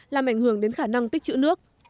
làm ảnh hưởng đến khả năng tích trữ nước